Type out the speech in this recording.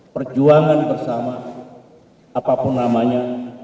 perjuangan bersama apapun namanya